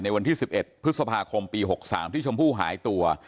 วันที่๑๑พฤษภาคมปี๖๓ที่ชมพู่หายตัว